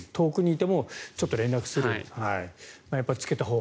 遠くにいてもちょっと連絡する。